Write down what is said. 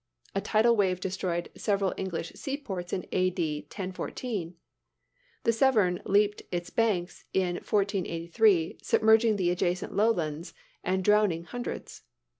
A tidal wave destroyed several English seaports in A. D., 1014. The Severn leaped its banks in 1483, submerging the adjacent lowlands, and drowning hundreds.